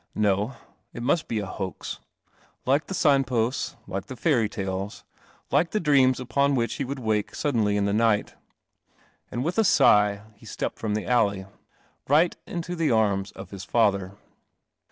No: it must be a h ax, like the sign posts, like the fairy talc like the dreams upon which he I wake suddenly in the night. Ami with a sigh he stepp m the allej right into the arms of his lather.